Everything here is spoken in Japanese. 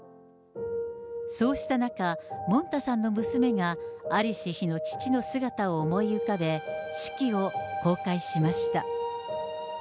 そうした中、もんたさんの娘が、在りし日の父の姿を思い浮かべ、手記を公開しました。